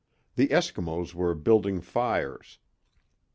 The Eskimos were building fires.